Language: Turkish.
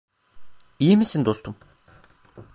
İyi misin dostum?